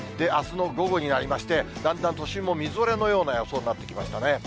あすの午後になりまして、だんだん都心もみぞれのような予想になってきましたね。